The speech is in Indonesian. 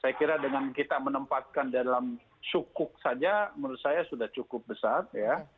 saya kira dengan kita menempatkan dalam sukuk saja menurut saya sudah cukup besar ya